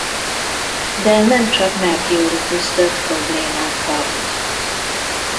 De nem csak Mercury küzdött problémákkal.